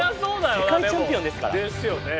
世界チャンピオンですから！ですよね。